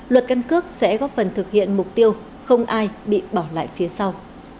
luật căn cước sẽ góp phần thực hiện mục tiêu không ai bị bỏ lại phía sau